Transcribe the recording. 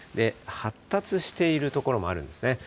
発達している所もあるんですね。